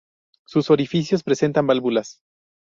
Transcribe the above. Sus orificios presentan válvulas.